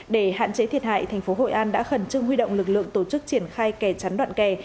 để hạn chế thiệt hại thành phố hội an đã khẩn trương huy động lực lượng tổ chức triển khai kè trắn đoạn kè